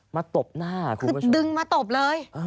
มาตบหน้าคุณผู้ชมคือดึงมาตบเลย